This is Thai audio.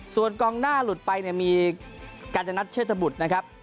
ส่วนกองหน้าหลุดไปเนี่ยมีกัญจนัทเชษฐบุตรนะครับ